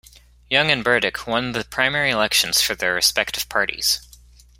Young and Burdick won the primary elections for their respective parties.